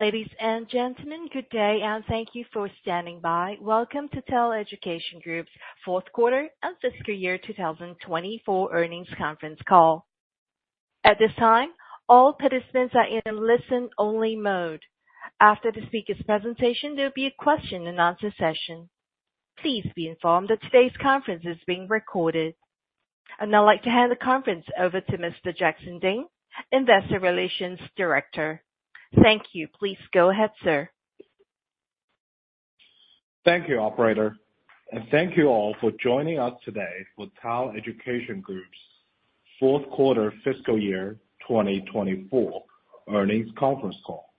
Ladies and gentlemen, good day, and thank you for standing by. Welcome to TAL Education Group's fourth quarter and fiscal year 2024 earnings conference call. At this time, all participants are in listen-only mode. After the speaker's presentation, there'll be a question and answer session. Please be informed that today's conference is being recorded. And I'd like to hand the conference over to Mr. Jackson Ding, Investor Relations Director. Thank you. Please go ahead, sir. Thank you, operator, and thank you all for joining us today for TAL Education Group's fourth quarter fiscal year 2024 earnings conference call.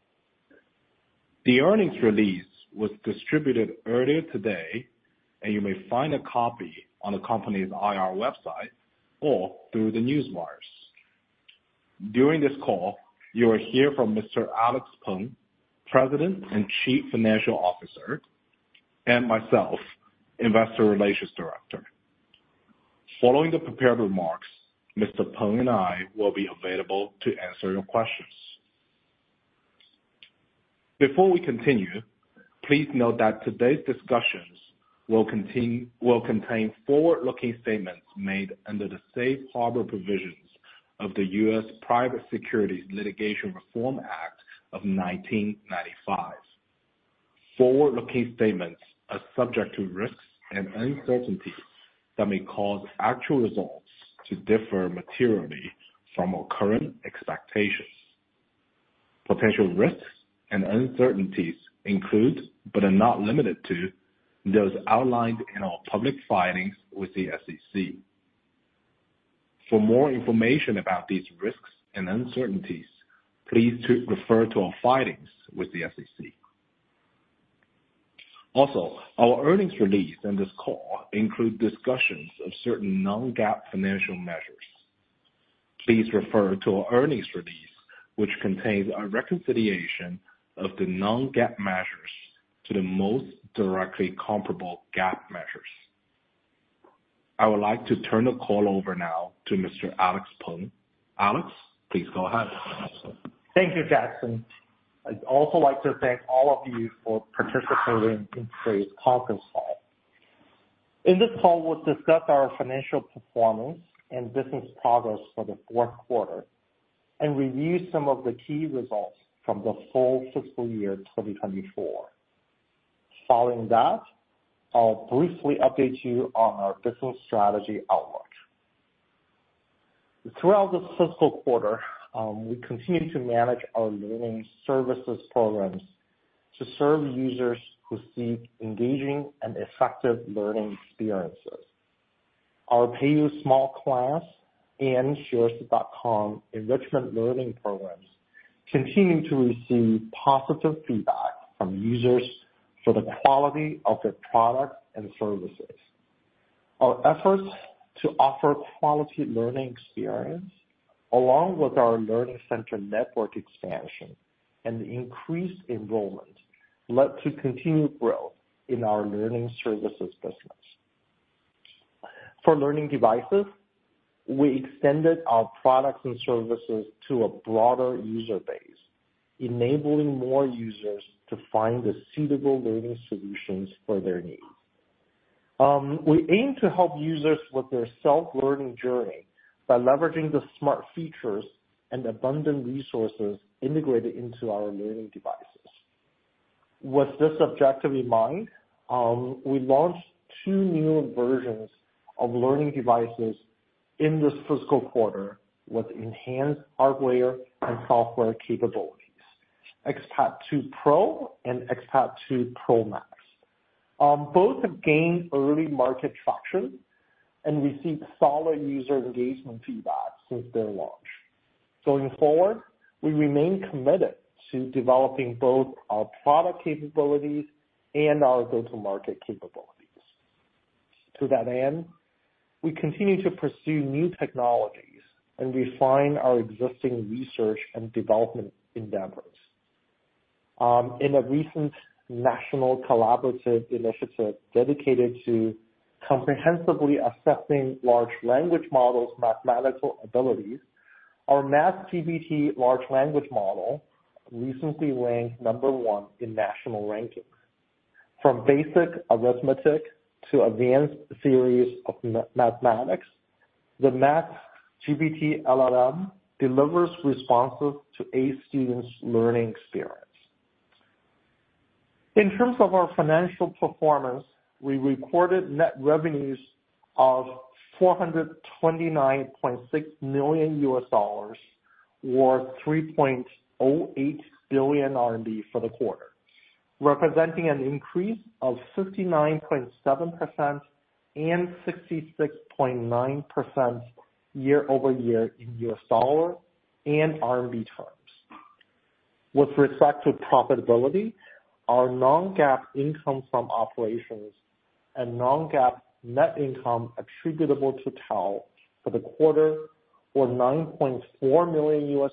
The earnings release was distributed earlier today, and you may find a copy on the company's IR website or through the Newswire. During this call, you will hear from Mr. Alex Peng, President and Chief Financial Officer, and myself, Investor Relations Director. Following the prepared remarks, Mr. Peng and I will be available to answer your questions. Before we continue, please note that today's discussions will contain forward-looking statements made under the safe harbor provisions of the US Private Securities Litigation Reform Act of 1995. Forward-looking statements are subject to risks and uncertainties that may cause actual results to differ materially from our current expectations. Potential risks and uncertainties include, but are not limited to, those outlined in our public filings with the SEC. For more information about these risks and uncertainties, please refer to our filings with the SEC. Also, our earnings release and this call include discussions of certain non-GAAP financial measures. Please refer to our earnings release, which contains a reconciliation of the non-GAAP measures to the most directly comparable GAAP measures. I would like to turn the call over now to Mr. Alex Peng. Alex, please go ahead. Thank you, Jackson. I'd also like to thank all of you for participating in today's conference call. In this call, we'll discuss our financial performance and business progress for the fourth quarter and review some of the key results from the full fiscal year 2024. Following that, I'll briefly update you on our business strategy outlook. Throughout the fiscal quarter, we continued to manage our learning services programs to serve users who seek engaging and effective learning experiences. Our Peiyou small class and Xueersi.com enrichment learning programs continue to receive positive feedback from users for the quality of their products and services. Our efforts to offer quality learning experience, along with our learning center network expansion and increased enrollment, led to continued growth in our learning services business. For learning devices, we extended our products and services to a broader user base, enabling more users to find the suitable learning solutions for their needs. We aim to help users with their self-learning journey by leveraging the smart features and abundant resources integrated into our learning devices. With this objective in mind, we launched two new versions of learning devices in this fiscal quarter with enhanced hardware and software capabilities, xPad 2 Pro and xPad 2 Pro Max. Both have gained early market traction and received solid user engagement feedback since their launch. Going forward, we remain committed to developing both our product capabilities and our go-to-market capabilities. To that end, we continue to pursue new technologies and refine our existing research and development endeavors. In a recent national collaborative initiative dedicated to comprehensively assessing large language models' mathematical abilities, our MathGPT large language model recently ranked number one in national rankings. From basic arithmetic to advanced theories of mathematics, the MathGPT LLM delivers responses to aid students' learning experience. In terms of our financial performance, we recorded net revenues of $429.6 million, or 3.08 billion RMB for the quarter, representing an increase of 59.7% and 66.9% year-over-year in U.S. dollar and RMB terms. With respect to profitability, our non-GAAP income from operations and non-GAAP net income attributable to TAL for the quarter was $9.4 million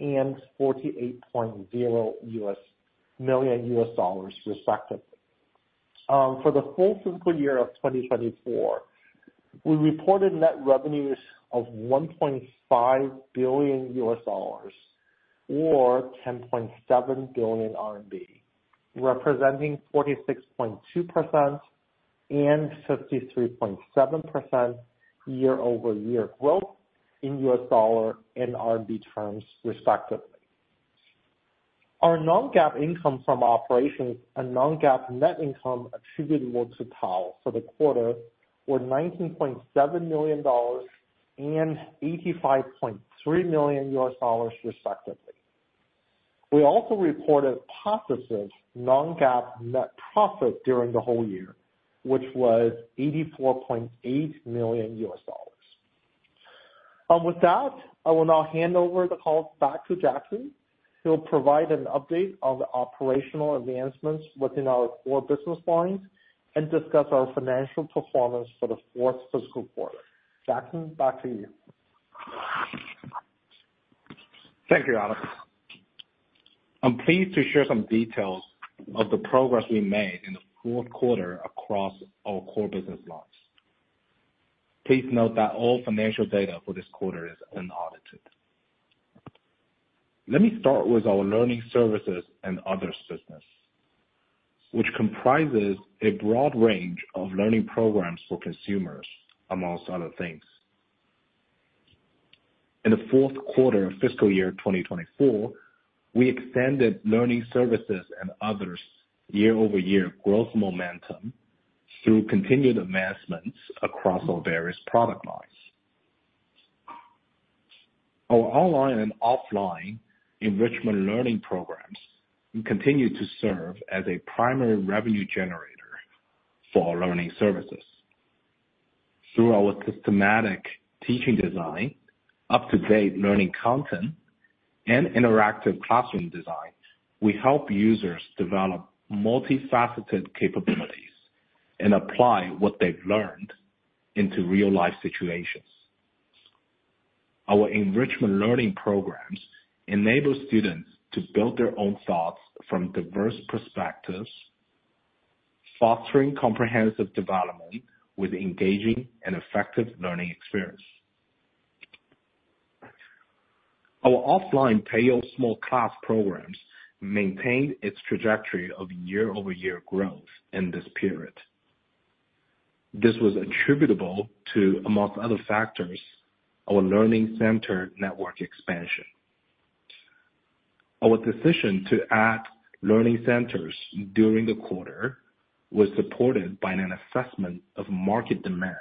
and $48.0 million, respectively. For the full fiscal year of 2024, we reported net revenues of $1.5 billion or RMB 10.7 billion, representing 46.2% and 53.7% year-over-year growth in U.S. dollar and RMB terms, respectively. Our non-GAAP income from operations and non-GAAP net income attributable to TAL for the quarter were $19.7 million and $85.3 million, respectively. We also reported positive non-GAAP net profit during the whole year, which was $84.8 million. With that, I will now hand over the call back to Jackson, who will provide an update on the operational advancements within our core business lines and discuss our financial performance for the fourth fiscal quarter. Jackson, back to you. Thank you, Alex. I'm pleased to share some details of the progress we made in the fourth quarter across our core business lines. Please note that all financial data for this quarter is unaudited. Let me start with our learning services and other business, which comprises a broad range of learning programs for consumers, among other things. In the fourth quarter of fiscal year 2024, we extended learning services and others year-over-year growth momentum through continued advancements across our various product lines. Our online and offline enrichment learning programs continue to serve as a primary revenue generator for our learning services. Through our systematic teaching design, up-to-date learning content, and interactive classroom design, we help users develop multifaceted capabilities and apply what they've learned into real-life situations. Our enrichment learning programs enable students to build their own thoughts from diverse perspectives, fostering comprehensive development with engaging and effective learning experience. Our offline Peiyou small class programs maintained its trajectory of year-over-year growth in this period. This was attributable to, among other factors, our learning center network expansion. Our decision to add learning centers during the quarter was supported by an assessment of market demand,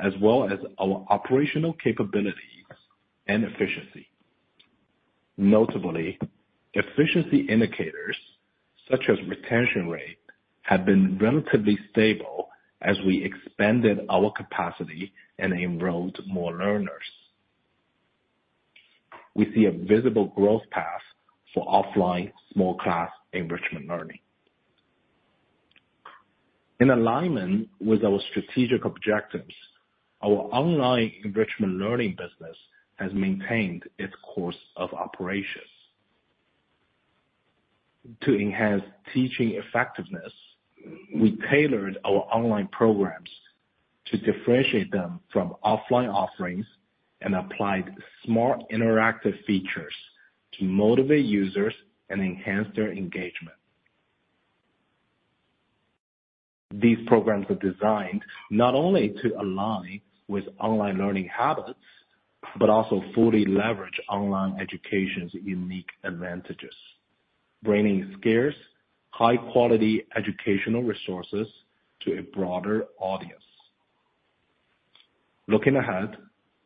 as well as our operational capabilities and efficiency. Notably, efficiency indicators, such as retention rate, have been relatively stable as we expanded our capacity and enrolled more learners. We see a visible growth path for offline small class enrichment learning. In alignment with our strategic objectives, our online enrichment learning business has maintained its course of operations. To enhance teaching effectiveness, we tailored our online programs to differentiate them from offline offerings and applied smart interactive features to motivate users and enhance their engagement. These programs are designed not only to align with online learning habits, but also fully leverage online education's unique advantages, bringing scarce, high-quality educational resources to a broader audience. Looking ahead,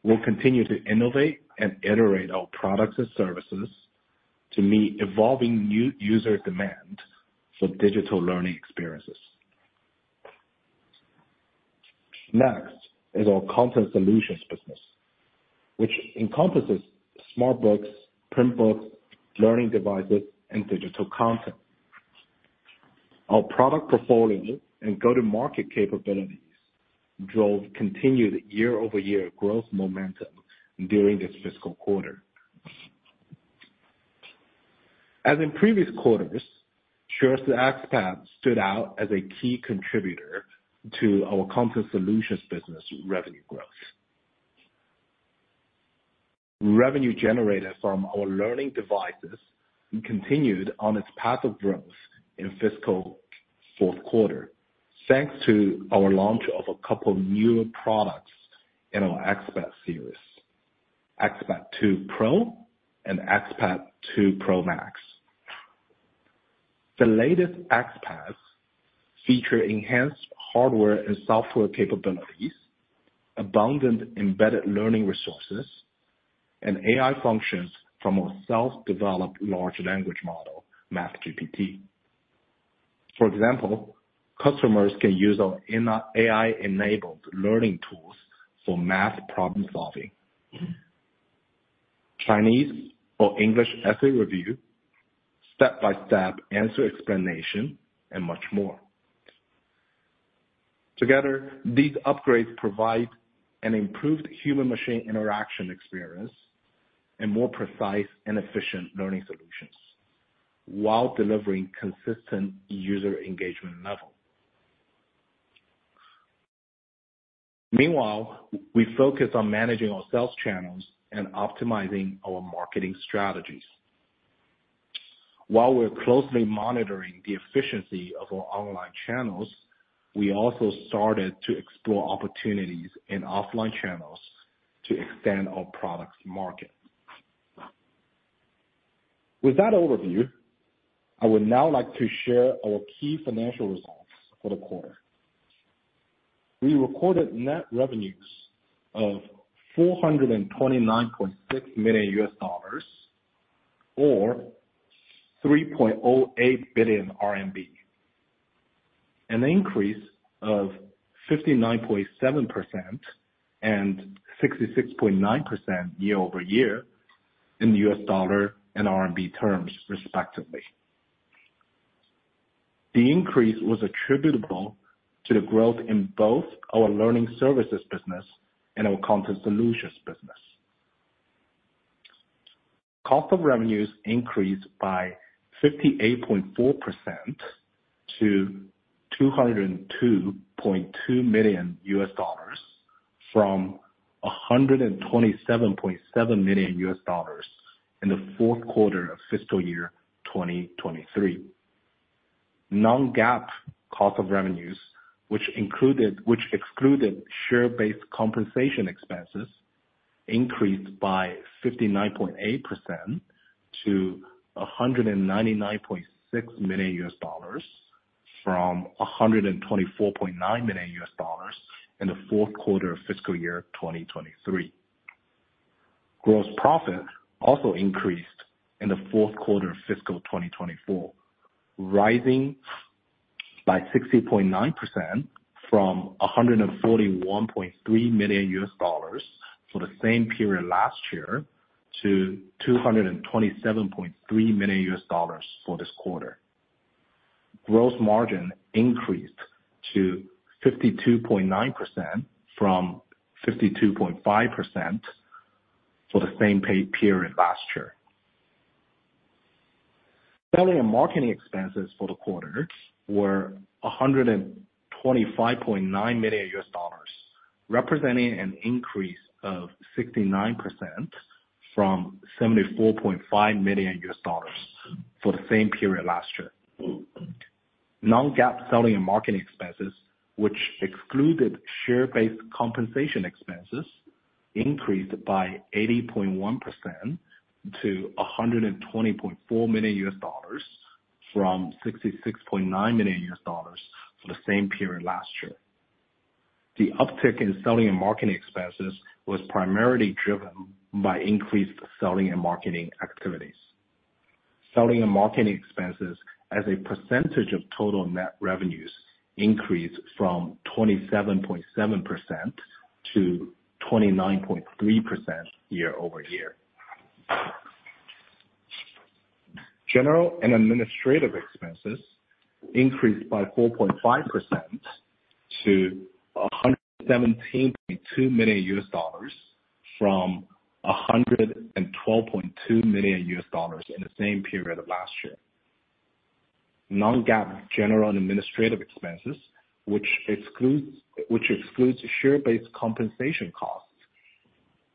we'll continue to innovate and iterate our products and services to meet evolving new user demand for digital learning experiences. Next is our content solutions business, which encompasses smart books, print books, learning devices, and digital content. Our product portfolio and go-to-market capabilities drove continued year-over-year growth momentum during this fiscal quarter. As in previous quarters, Xueersi xPad stood out as a key contributor to our content solutions business revenue growth. Revenue generated from our learning devices continued on its path of growth in fiscal fourth quarter, thanks to our launch of a couple of new products in our xPad series, xPad 2 Pro and xPad 2 Pro Max. The latest xPads feature enhanced hardware and software capabilities, abundant embedded learning resources, and AI functions from our self-developed large language model, MathGPT. For example, customers can use our AI-enabled learning tools for math problem solving, Chinese or English essay review, step-by-step answer explanation, and much more.... Together, these upgrades provide an improved human-machine interaction experience and more precise and efficient learning solutions, while delivering consistent user engagement level. Meanwhile, we focus on managing our sales channels and optimizing our marketing strategies. While we're closely monitoring the efficiency of our online channels, we also started to explore opportunities in offline channels to extend our products market. With that overview, I would now like to share our key financial results for the quarter. We recorded net revenues of $429.6 million, or 3.08 billion RMB, an increase of 59.7% and 66.9% year-over-year in US dollar and RMB terms, respectively. The increase was attributable to the growth in both our learning services business and our content solutions business. Cost of revenues increased by 58.4% to $202.2 million, from $127.7 million in the fourth quarter of fiscal year 2023. Non-GAAP cost of revenues, which excluded share-based compensation expenses, increased by 59.8% to $199.6 million, from $124.9 million in the fourth quarter of fiscal year 2023. Gross profit also increased in the fourth quarter of fiscal 2024, rising by 60.9% from $141.3 million for the same period last year to $227.3 million for this quarter. Gross margin increased to 52.9% from 52.5% for the same pay period last year. Selling and marketing expenses for the quarter were $125.9 million, representing an increase of 69% from $74.5 million for the same period last year. Non-GAAP selling and marketing expenses, which excluded share-based compensation expenses, increased by 80.1% to $120.4 million from $66.9 million for the same period last year. The uptick in selling and marketing expenses was primarily driven by increased selling and marketing activities. Selling and marketing expenses as a percentage of total net revenues increased from 27.7% to 29.3% year-over-year. General and administrative expenses increased by 4.5% to $117.2 million from $112.2 million in the same period of last year. Non-GAAP general and administrative expenses, which excludes share-based compensation costs,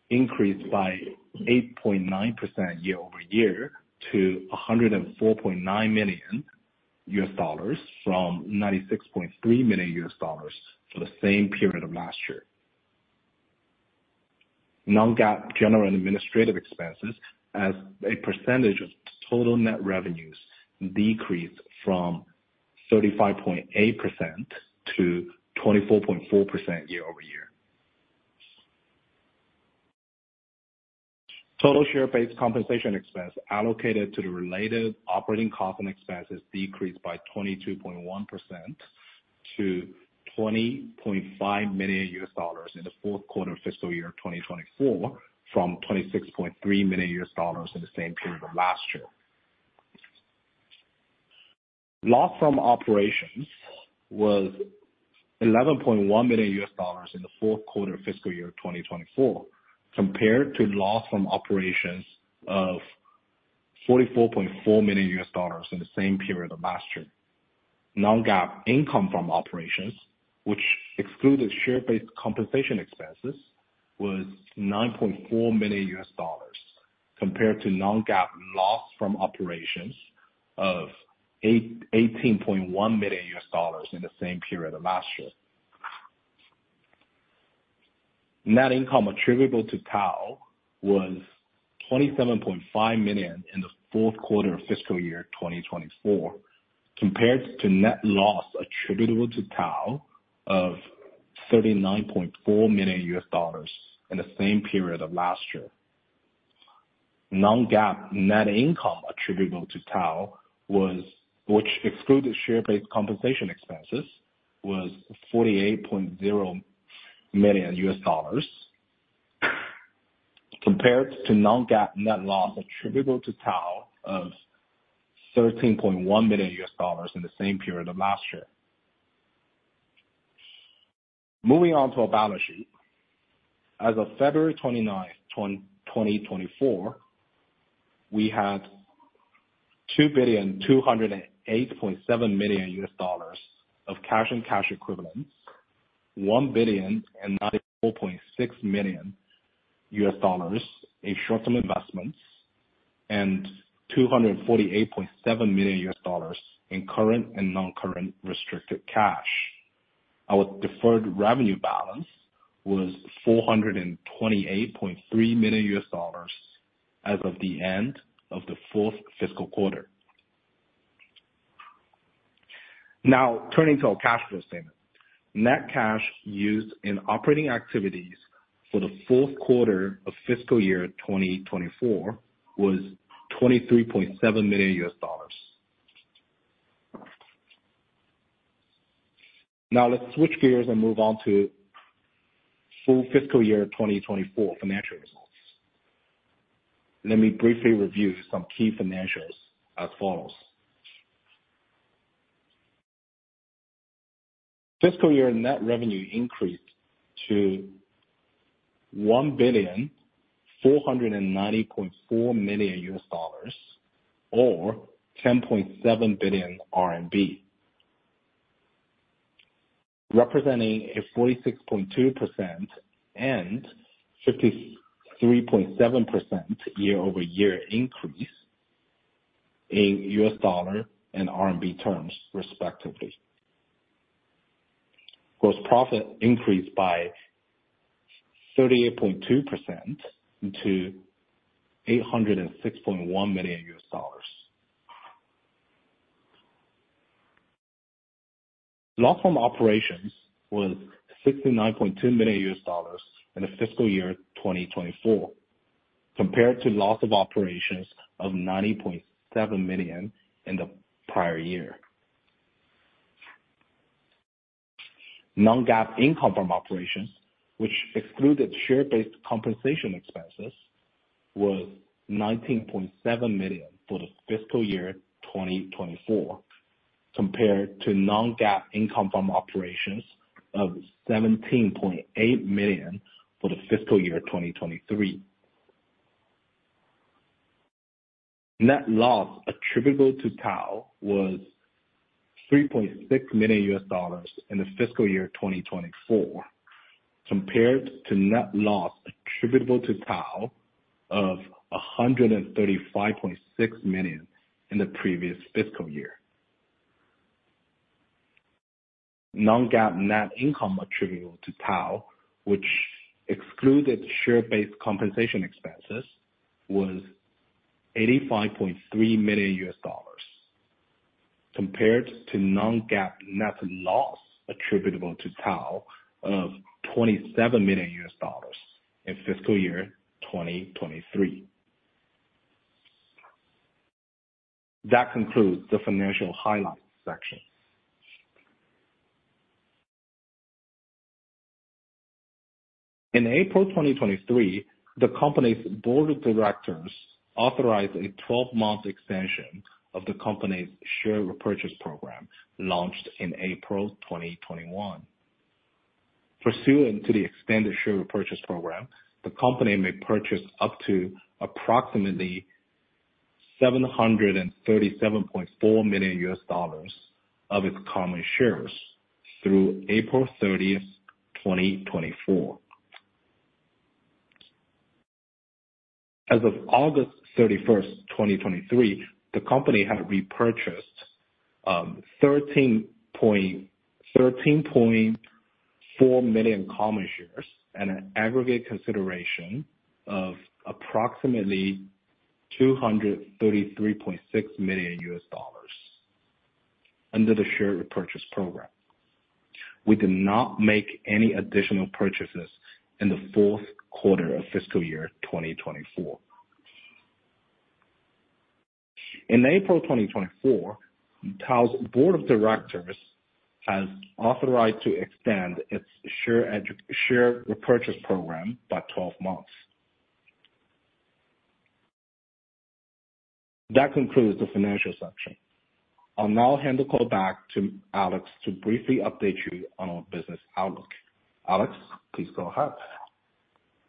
increased by 8.9% year-over-year to $104.9 million, from $96.3 million for the same period of last year. Non-GAAP general and administrative expenses as a percentage of total net revenues decreased from 35.8% to 24.4% year-over-year. Total share-based compensation expense allocated to the related operating costs and expenses decreased by 22.1% to $20.5 million in the fourth quarter of fiscal year 2024, from $26.3 million in the same period of last year. Loss from operations was $11.1 million in the fourth quarter of fiscal year 2024, compared to loss from operations of $44.4 million in the same period of last year. Non-GAAP income from operations, which excluded share-based compensation expenses, was $9.4 million, compared to non-GAAP loss from operations of eighteen point one million US dollars in the same period of last year. Net income attributable to TAL was $27.5 million in the fourth quarter of fiscal year 2024, compared to net loss attributable to TAL of $39.4 million in the same period of last year. Non-GAAP net income attributable to TAL was, which excluded share-based compensation expenses, was $48.0 million-... compared to non-GAAP net loss attributable to TAL of $13.1 million in the same period of last year. Moving on to our balance sheet. As of February 29, 2024, we had $2,208.7 million of cash and cash equivalents, $1,094.6 million in short-term investments, and $248.7 million in current and non-current restricted cash. Our deferred revenue balance was $428.3 million as of the end of the fourth fiscal quarter. Now, turning to our cash flow statement. Net cash used in operating activities for the fourth quarter of fiscal year 2024 was $23.7 million. Now let's switch gears and move on to full fiscal year 2024 financial results. Let me briefly review some key financials as follows: Fiscal year net revenue increased to $1,490.4 million, or CNY 10.7 billion, representing a 46.2% and 53.7% year-over-year increase in US dollar and RMB terms, respectively. Gross profit increased by 38.2% to $806.1 million. Loss from operations was $69.2 million in the fiscal year 2024, compared to loss of operations of $90.7 million in the prior year. Non-GAAP income from operations, which excluded share-based compensation expenses, was $19.7 million for the fiscal year 2024, compared to non-GAAP income from operations of $17.8 million for the fiscal year 2023. Net loss attributable to TAL was $3.6 million in fiscal year 2024, compared to net loss attributable to TAL of $135.6 million in the previous fiscal year. Non-GAAP net income attributable to TAL, which excluded share-based compensation expenses, was $85.3 million, compared to non-GAAP net loss attributable to TAL of $27 million in fiscal year 2023. That concludes the financial highlights section. In April 2023, the company's board of directors authorized a twelve-month extension of the company's share repurchase program, launched in April 2021. Pursuant to the extended share repurchase program, the company may purchase up to approximately $737.4 million of its common shares through April 30th, 2024. As of August 31st, 2023, the company had repurchased 13.4 million common shares at an aggregate consideration of approximately $233.6 million under the share repurchase program. We did not make any additional purchases in the fourth quarter of fiscal year 2024. In April 2024, TAL's board of directors has authorized to extend its share repurchase program by 12 months. That concludes the financial section. I'll now hand the call back to Alex to briefly update you on our business outlook. Alex, please go ahead.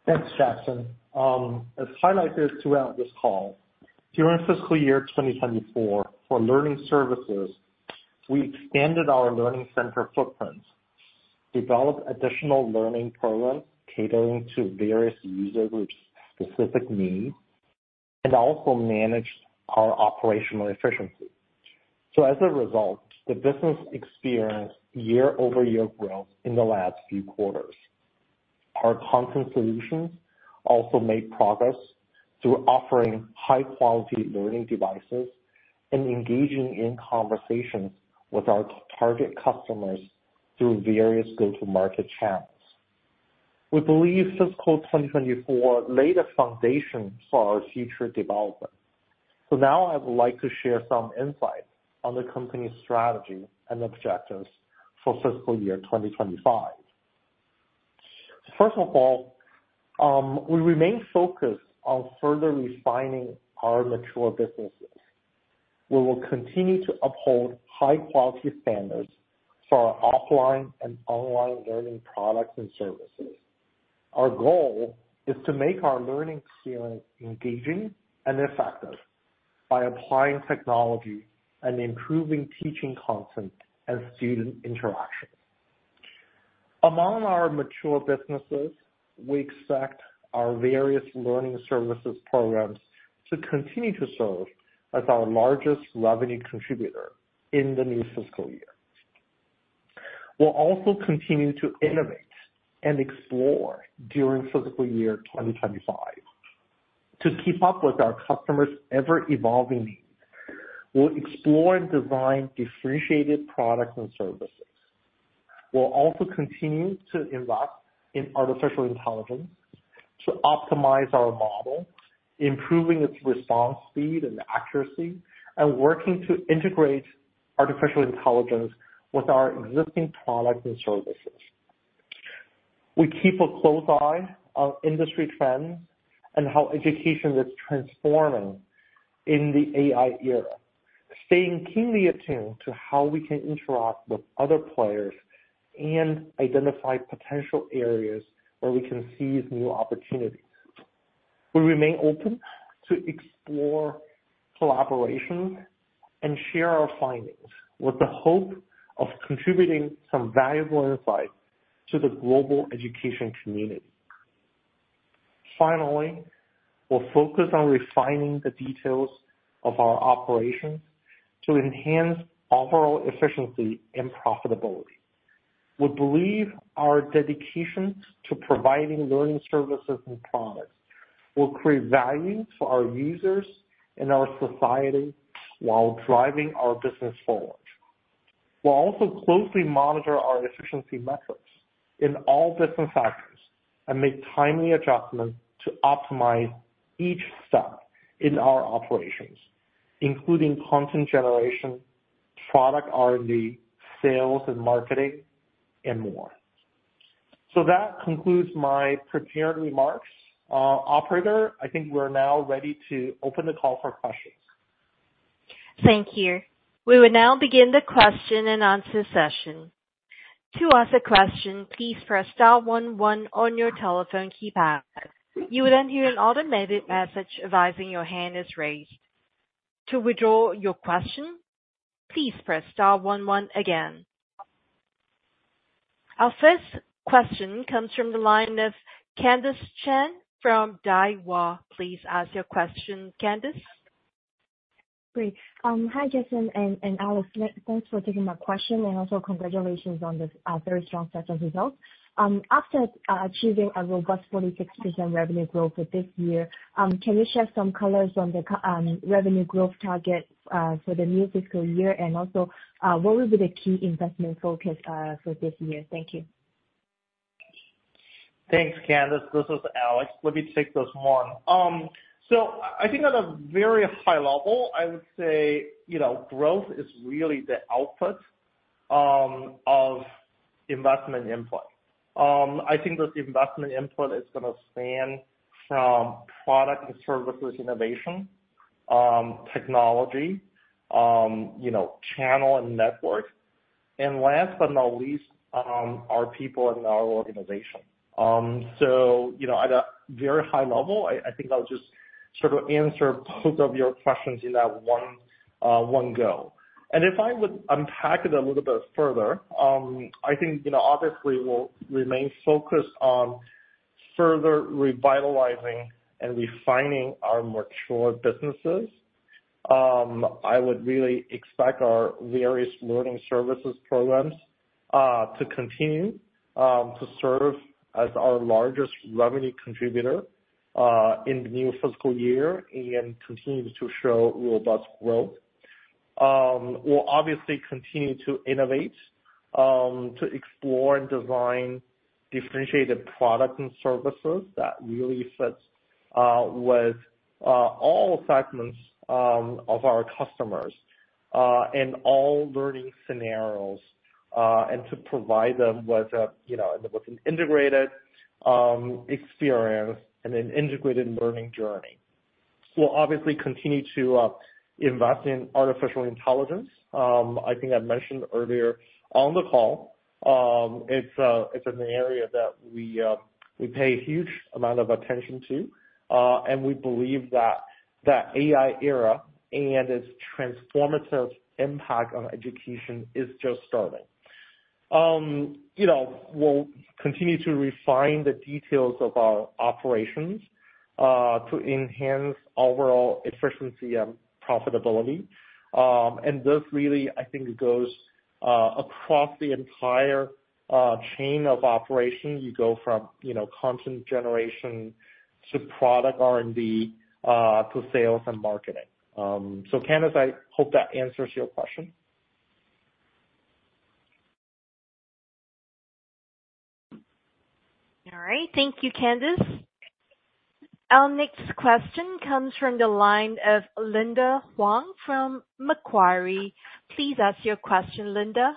Thanks, Jackson. As highlighted throughout this call, during fiscal year 2024, for learning services, we expanded our learning center footprint, developed additional learning programs catering to various user groups' specific needs, and also managed our operational efficiency. So as a result, the business experienced year-over-year growth in the last few quarters. Our content solutions also made progress through offering high-quality learning devices and engaging in conversations with our target customers through various go-to-market channels. We believe fiscal 2024 laid a foundation for our future development.... So now I would like to share some insights on the company's strategy and objectives for fiscal year 2025. First of all, we remain focused on further refining our mature businesses. We will continue to uphold high quality standards for our offline and online learning products and services. Our goal is to make our learning experience engaging and effective by applying technology and improving teaching content and student interaction. Among our mature businesses, we expect our various learning services programs to continue to serve as our largest revenue contributor in the new fiscal year. We'll also continue to innovate and explore during fiscal year 2025. To keep up with our customers' ever-evolving needs, we'll explore and design differentiated products and services. We'll also continue to invest in artificial intelligence to optimize our model, improving its response speed and accuracy, and working to integrate artificial intelligence with our existing products and services. We keep a close eye on industry trends and how education is transforming in the AI era, staying keenly attuned to how we can interact with other players and identify potential areas where we can seize new opportunities. We remain open to explore collaboration and share our findings with the hope of contributing some valuable insights to the global education community. Finally, we'll focus on refining the details of our operations to enhance overall efficiency and profitability. We believe our dedication to providing learning services and products will create value for our users and our society while driving our business forward. We'll also closely monitor our efficiency metrics in all business sectors and make timely adjustments to optimize each step in our operations, including content generation, product R&D, sales and marketing, and more. So that concludes my prepared remarks. Operator, I think we're now ready to open the call for questions. Thank you. We will now begin the question and answer session. To ask a question, please press star one one on your telephone keypad. You will then hear an automated message advising your hand is raised. To withdraw your question, please press star one one again. Our first question comes from the line of Candis Chan from Daiwa. Please ask your question, Candis. Great. Hi, Jackson and Alex. Thanks for taking my question, and also congratulations on this very strong set of results. After achieving a robust 46% revenue growth for this year, can you share some colors on the revenue growth target for the new fiscal year? And also, what would be the key investment focus for this year? Thank you. Thanks, Candis. This is Alex. Let me take this one. So I think at a very high level, I would say, you know, growth is really the output of investment input. I think this investment input is gonna span from product and services innovation, technology, you know, channel and network, and last but not least, our people in our organization. So, you know, at a very high level, I, I think I'll just sort of answer both of your questions in that one, one go. And if I would unpack it a little bit further, I think, you know, obviously we'll remain focused on further revitalizing and refining our mature businesses. I would really expect our various learning services programs to continue to serve as our largest revenue contributor in the new fiscal year and continue to show robust growth. We'll obviously continue to innovate to explore and design differentiated products and services that really fits with all segments of our customers and all learning scenarios and to provide them with a, you know, with an integrated experience and an integrated learning journey. We'll obviously continue to invest in artificial intelligence. I think I mentioned earlier on the call, it's an area that we pay a huge amount of attention to and we believe that the AI era and its transformative impact on education is just starting. You know, we'll continue to refine the details of our operations, to enhance overall efficiency and profitability. And this really, I think, goes across the entire chain of operation. You go from, you know, content generation to product R&D, to sales and marketing. So Candis, I hope that answers your question. All right. Thank you, Candis. Our next question comes from the line of Linda Huang from Macquarie. Please ask your question, Linda.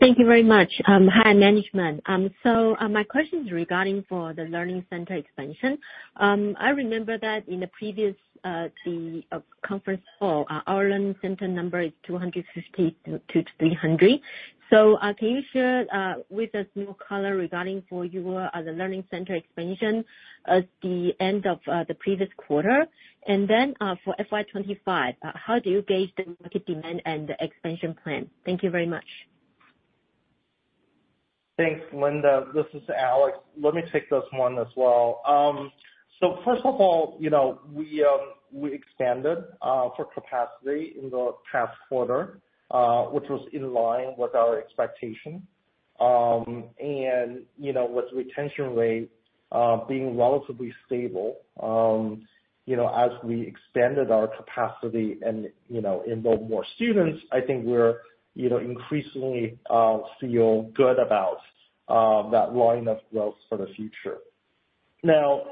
Thank you very much. Hi, management. So, my question is regarding for the learning center expansion. I remember that in the previous, the, conference call, our learning center number is 250-300. So, can you share, with us more color regarding for your, the learning center expansion at the end of, the previous quarter? And then, for FY 2025, how do you gauge the market demand and the expansion plan? Thank you very much. Thanks, Linda. This is Alex. Let me take this one as well. So first of all, you know, we expanded our capacity in the past quarter, which was in line with our expectation. And, you know, with retention rate being relatively stable, you know, as we expanded our capacity and, you know, enrolled more students, I think we're, you know, increasingly feel good about that line of growth for the future. Now,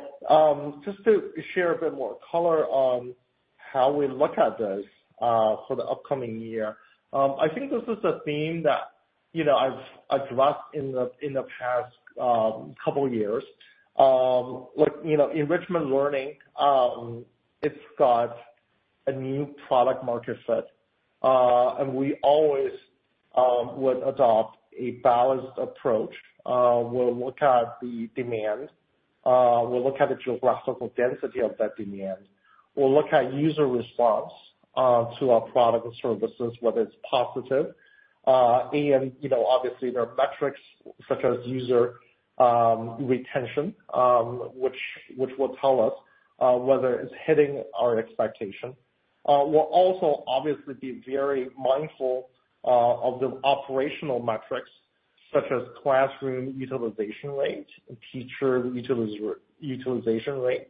just to share a bit more color on how we look at this for the upcoming year, I think this is a theme that, you know, I've addressed in the past couple years. Like, you know, enrichment learning, it's got a new product market fit, and we always would adopt a balanced approach. We'll look at the demand, we'll look at the geographical density of that demand. We'll look at user response to our products and services, whether it's positive, and, you know, obviously, there are metrics such as user retention, which will tell us whether it's hitting our expectation. We'll also obviously be very mindful of the operational metrics, such as classroom utilization rate and teacher utilization rate.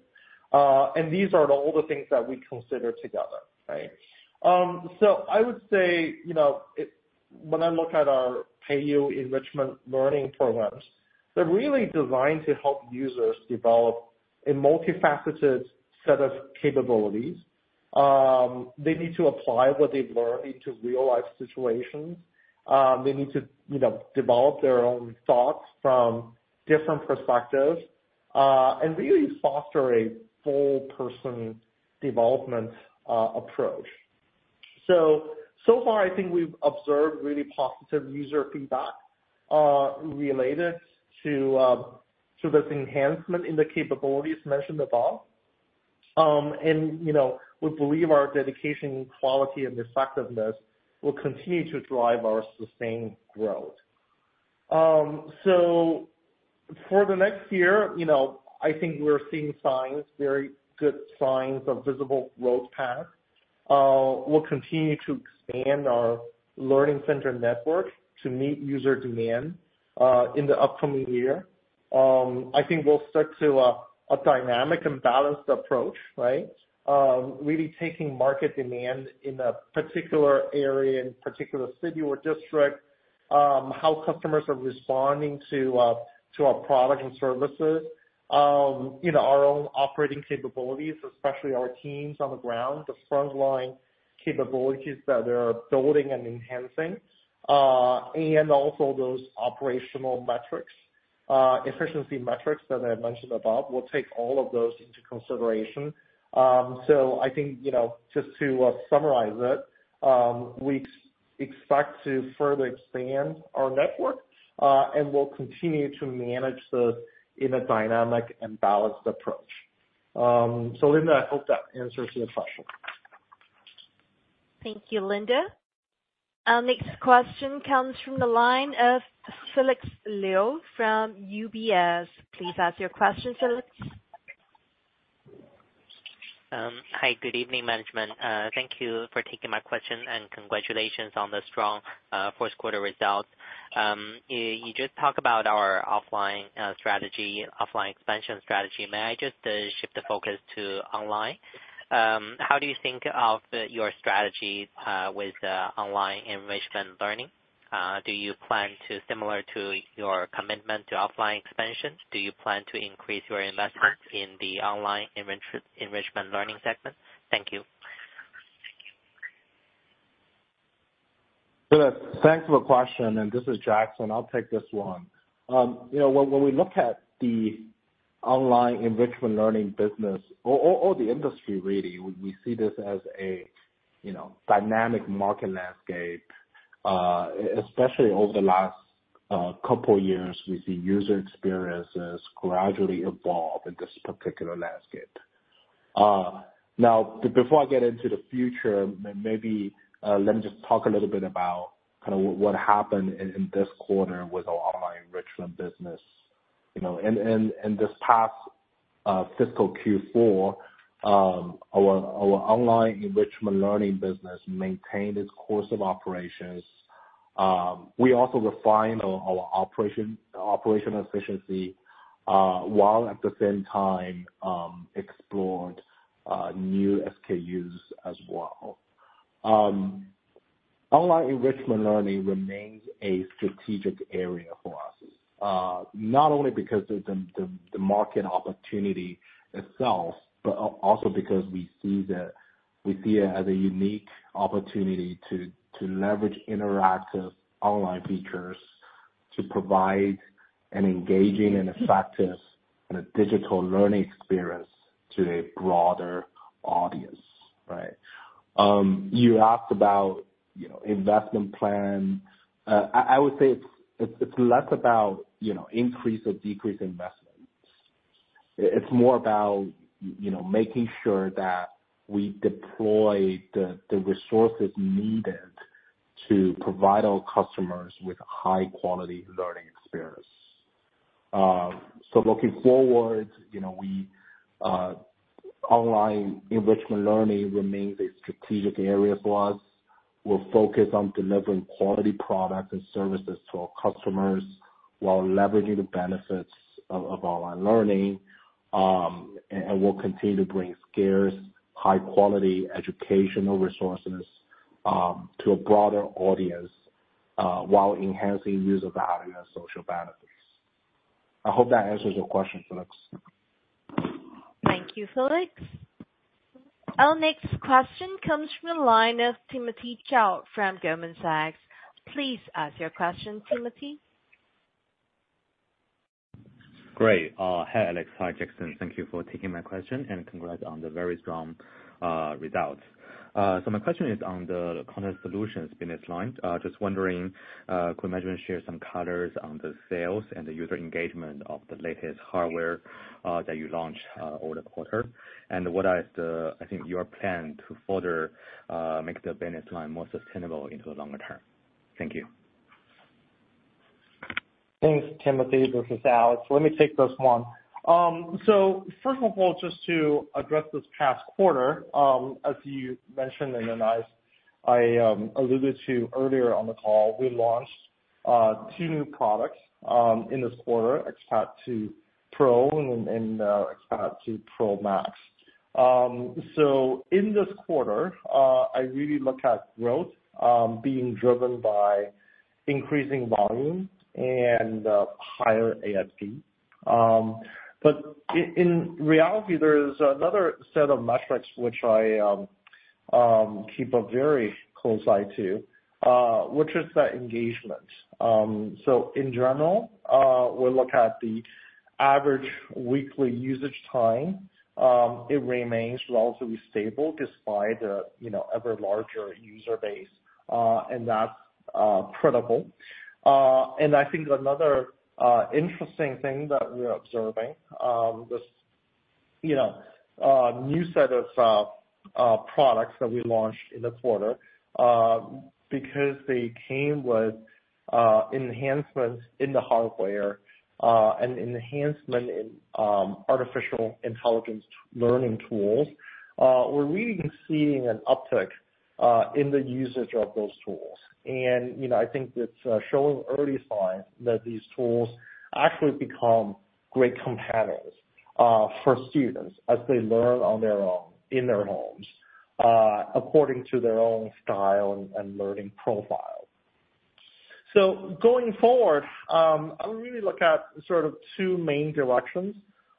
And these are all the things that we consider together, right? So I would say, you know, when I look at our Peiyou enrichment learning programs, they're really designed to help users develop a multifaceted set of capabilities. They need to apply what they've learned into real-life situations. They need to, you know, develop their own thoughts from different perspectives, and really foster a whole person development approach. So far, I think we've observed really positive user feedback, related to, to this enhancement in the capabilities mentioned above. And, you know, we believe our dedication, quality, and effectiveness will continue to drive our sustained growth. So for the next year, you know, I think we're seeing signs, very good signs of visible growth path. We'll continue to expand our learning center network to meet user demand, in the upcoming year. I think we'll stick to a dynamic and balanced approach, right? Really taking market demand in a particular area, in a particular city or district, how customers are responding to, to our products and services. You know, our own operating capabilities, especially our teams on the ground, the frontline capabilities that they're building and enhancing, and also those operational metrics, efficiency metrics that I mentioned above. We'll take all of those into consideration. So I think, you know, just to summarize it, we expect to further expand our network, and we'll continue to manage those in a dynamic and balanced approach. So Linda, I hope that answers your question. Thank you, Linda. Our next question comes from the line of Felix Liu from UBS. Please ask your question, Felix. Hi, good evening, management. Thank you for taking my question, and congratulations on the strong first quarter results. You just talked about our offline strategy, offline expansion strategy. May I just shift the focus to online? How do you think of the your strategy with online enrichment learning? Do you plan to, similar to your commitment to offline expansion, do you plan to increase your investment in the online enrichment learning segment? Thank you. Felix, thanks for the question, and this is Jackson. I'll take this one. You know, when we look at the online enrichment learning business or the industry really, we see this as a you know, dynamic market landscape. Especially over the last couple years, we've seen user experiences gradually evolve in this particular landscape. Now, before I get into the future, maybe let me just talk a little bit about kind of what happened in this quarter with our online enrichment business. You know, in this past fiscal Q4, our online enrichment learning business maintained its course of operations. We also refined our operation efficiency while at the same time explored new SKUs as well. Online enrichment learning remains a strategic area for us, not only because of the market opportunity itself, but also because we see it as a unique opportunity to leverage interactive online features to provide an engaging and effective and a digital learning experience to a broader audience, right? You asked about, you know, investment plan. I would say it's less about, you know, increase or decrease investments. It's more about, you know, making sure that we deploy the resources needed to provide our customers with high quality learning experience. So looking forward, you know, we online enrichment learning remains a strategic area for us. We're focused on delivering quality products and services to our customers, while leveraging the benefits of online learning. And we'll continue to bring scarce, high-quality educational resources to a broader audience while enhancing user value and social benefits. I hope that answers your question, Felix. Thank you, Felix. Our next question comes from the line of Timothy Zhao from Goldman Sachs. Please ask your question, Timothy. Great. Hi, Alex. Hi, Jackson. Thank you for taking my question, and congrats on the very strong, results. So my question is on the content solutions business line. Just wondering, could you maybe share some colors on the sales and the user engagement of the latest hardware, that you launched, over the quarter? And what is the, I think, your plan to further, make the business line more sustainable into the longer term? Thank you. Thanks, Timothy. This is Alex. Let me take this one. So first of all, just to address this past quarter, as you mentioned, and then I alluded to earlier on the call, we launched two new products in this quarter, xPad 2 Pro and xPad 2 Pro Max. So in this quarter, I really look at growth being driven by increasing volume and higher AFP. But in reality, there is another set of metrics which I keep a very close eye to, which is the engagement. So in general, we look at the average weekly usage time. It remains relatively stable despite the, you know, ever larger user base, and that's credible. And I think another interesting thing that we are observing, this, you know, new set of products that we launched in the quarter, because they came with enhancements in the hardware, and enhancement in artificial intelligence learning tools, we're really seeing an uptick in the usage of those tools. And, you know, I think it's showing early signs that these tools actually become great companions for students as they learn on their own, in their homes, according to their own style and, and learning profile. So going forward, I really look at sort of two main directions.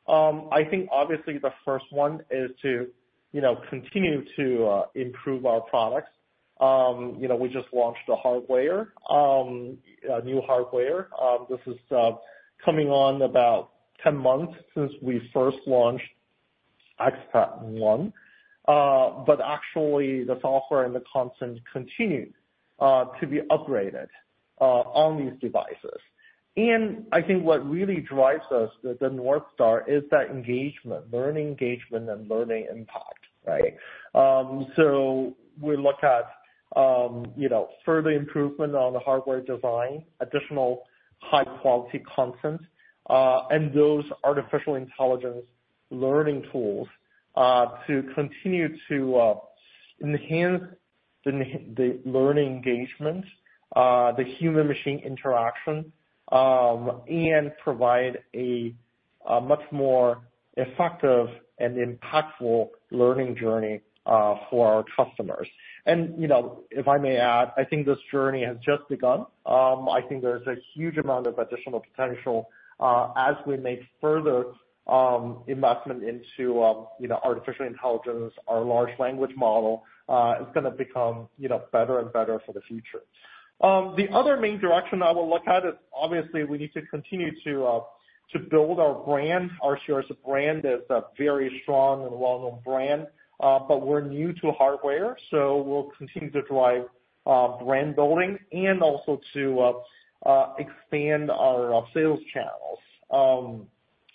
I think obviously the first one is to, you know, continue to improve our products. You know, we just launched the hardware, a new hardware. This is coming on about 10 months since we first launched Xpad 1. But actually, the software and the content continue to be upgraded on these devices. And I think what really drives us, the North Star, is that engagement, learning engagement and learning impact, right? So we look at, you know, further improvement on the hardware design, additional high quality content, and those artificial intelligence learning tools to continue to enhance the learning engagement, the human machine interaction, and provide a much more effective and impactful learning journey for our customers. And, you know, if I may add, I think this journey has just begun. I think there's a huge amount of additional potential as we make further investment into, you know, artificial intelligence. Our large language model is gonna become, you know, better and better for the future. The other main direction I will look at is obviously we need to continue to build our brand. Xueersi as a brand is a very strong and well-known brand, but we're new to hardware, so we'll continue to drive brand building and also to expand our sales channels.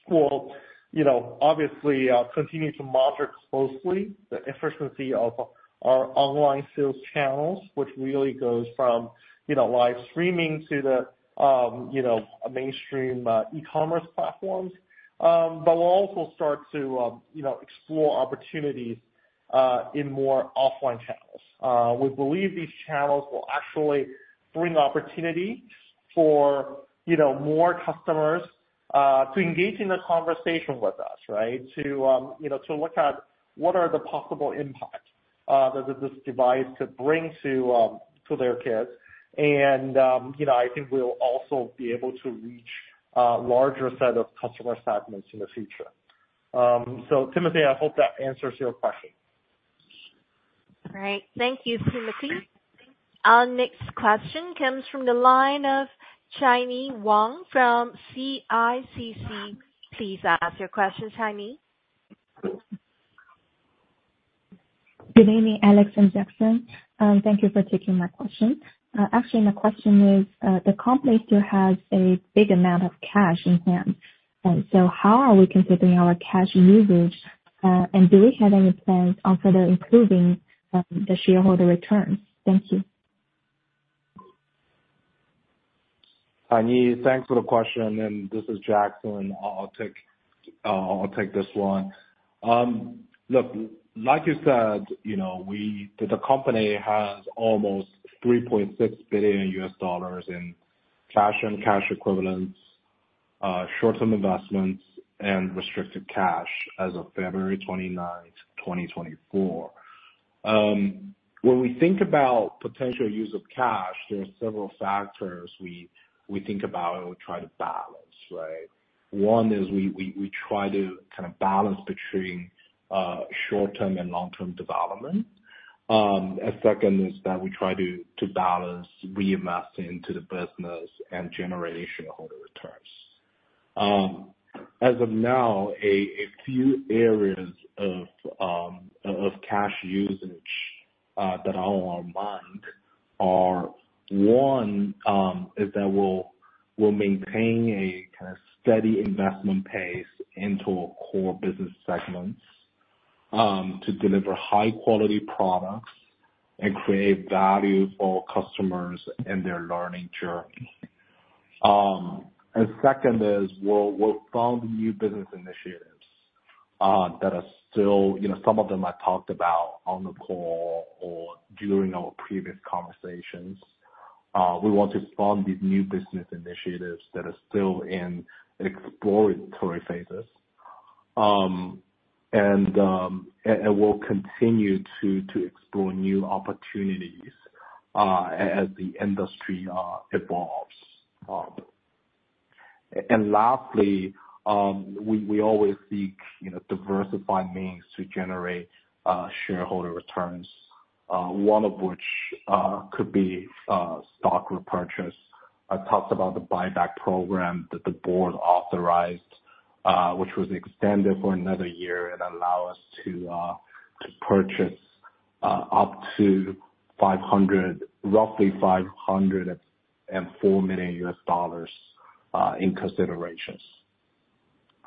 We'll, you know, obviously continue to monitor closely the efficiency of our online sales channels, which really goes from, you know, live streaming to the, you know, mainstream e-commerce platforms. But we'll also start to, you know, explore opportunities in more offline channels. We believe these channels will actually bring opportunity for, you know, more customers to engage in a conversation with us, right? To, you know, to look at what are the possible impacts that this device could bring to, to their kids. And, you know, I think we'll also be able to reach a larger set of customer segments in the future. So Timothy, I hope that answers your question. All right. Thank you, Timothy. Our next question comes from the line of Caini Wang from CICC. Please ask your question, Caini. Good evening, Alex and Jackson. Thank you for taking my question. Actually my question is, the company still has a big amount of cash in hand, and so how are we considering our cash usage, and do we have any plans on further improving, the shareholder returns? Thank you. Caini, thanks for the question, and this is Jackson. I'll take this one. Look, like you said, you know, we—the company has almost $3.6 billion in cash and cash equivalents, short-term investments and restricted cash as of February 29, 2024. When we think about potential use of cash, there are several factors we think about and we try to balance, right? One is we try to kind of balance between short-term and long-term development. A second is that we try to balance reinvesting into the business and generation shareholder returns. As of now, a few areas of cash usage that are on our mind are, one, is that we'll maintain a kind of steady investment pace into our core business segments to deliver high quality products and create value for customers in their learning journey. And second is we'll found new business initiatives that are still you know, some of them I talked about on the call or during our previous conversations. We want to spawn these new business initiatives that are still in exploratory phases. And we'll continue to explore new opportunities as the industry evolves. And lastly, we always seek, you know, diversified means to generate shareholder returns, one of which could be stock repurchase. I talked about the buyback program that the board authorized, which was extended for another year, and allow us to, to purchase, up to $500 million, roughly $504 million in considerations.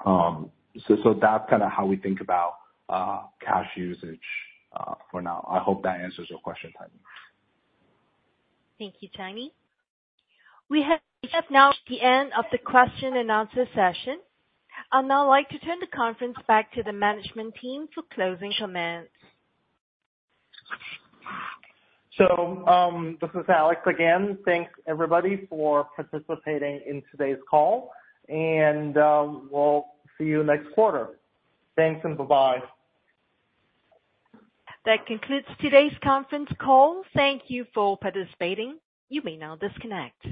So, so that's kind of how we think about, cash usage, for now. I hope that answers your question, Caini. Thank you, Caini. We have, we have now reached the end of the question and answer session. I'd now like to turn the conference back to the management team for closing comments. This is Alex again. Thanks everybody for participating in today's call, and, we'll see you next quarter. Thanks, and bye-bye. That concludes today's conference call. Thank you for participating. You may now disconnect.